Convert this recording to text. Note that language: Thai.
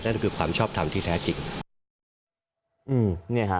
นั่นคือความชอบทำที่แท้จริง